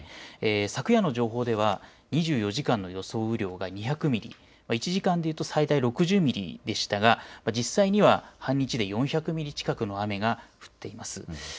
昨夜の情報では２４時間の予想雨量が２００ミリ、１時間で言うと最大６０ミリでしたが実際には半日で４００ミリ近くの雨が降っています。